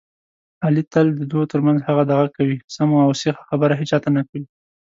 علي تل د دوو ترمنځ هغه دغه کوي، سمه اوسیخه خبره هېچاته نه کوي.